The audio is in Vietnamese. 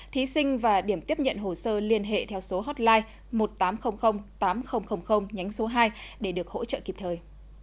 thí sinh và điểm tiếp nhận hồ sơ liên hệ theo số hotline một nghìn tám trăm linh tám nghìn nhánh số hai để được hỗ trợ kịp thời